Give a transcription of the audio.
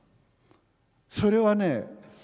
それはね